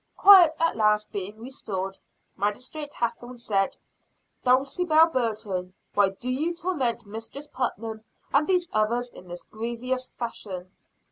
Quiet at last being restored, Magistrate Hathorne said: "Dulcibel Burton, why do you torment Mistress Putnam and these others in this grievous fashion?"